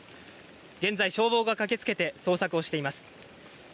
現在、消防が駆けつけて捜索をしています。